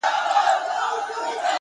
اوس مي د زړه قلم ليكل نه كوي”